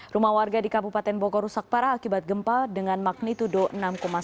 rumah warga di kabupaten bogor rusak parah akibat gempa dengan magnitudo enam satu